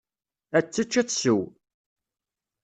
Ad tečč, ad tsew.